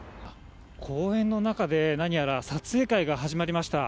公園の中で、何やら撮影会が始まりました。